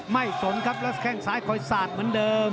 สนครับแล้วแข้งซ้ายคอยสาดเหมือนเดิม